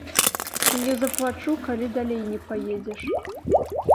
Не заплачу, калі далей не паедзеш!